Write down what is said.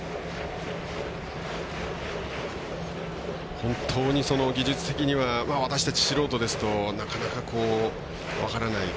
本当に技術的には私たち素人ですとなかなか、分からない